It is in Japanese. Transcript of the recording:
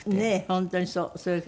本当にそう。